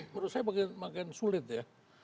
menurut saya makin sulit ya